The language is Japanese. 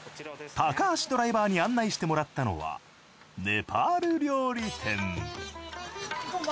高橋ドライバーに案内してもらったのはネパール料理店。